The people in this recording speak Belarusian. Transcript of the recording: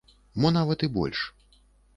Мо нават і больш.